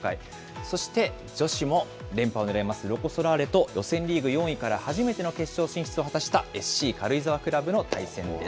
そして女子も連覇をねらいます、ロコ・ソラーレと予選リーグ４位から初めての決勝進出を果たした、ＳＣ軽井沢クラブの対戦です。